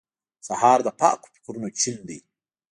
سهار د پاکو فکرونو چین دی.